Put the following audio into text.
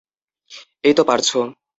এই তো পারছো!